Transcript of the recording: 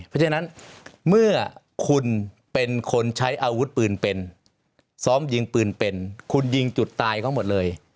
เพราะฉะนั้นเมื่อคุณเป็นคนใช้อาวุธปืนเป็นซ้อมยิงปืนเป็นคุณยิงจุดตายเขาหมดเลย